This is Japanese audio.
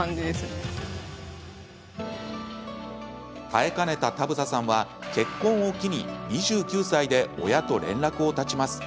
耐えかねた田房さんは結婚を機に２９歳で親と連絡を断ちます。